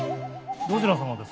どちら様ですか？